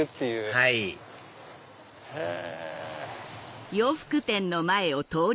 はいへぇ！